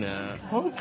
ホント？